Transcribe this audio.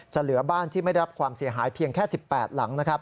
เหลือบ้านที่ไม่ได้รับความเสียหายเพียงแค่๑๘หลัง